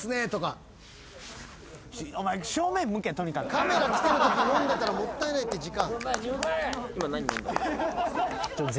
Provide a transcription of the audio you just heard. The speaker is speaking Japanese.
カメラ来てるとき飲んでたらもったいないって時間。